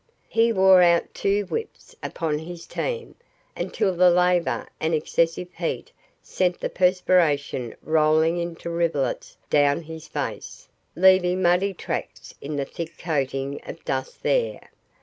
He wore out two whips upon his team, until the labour and excessive heat sent the perspiration rolling in rivulets down his face, leaving muddy tracks in the thick coating of dust there.